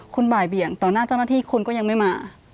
คุณบ่ายเบี่ยงต่อหน้าเจ้าหน้าที่คุณก็ยังไม่มา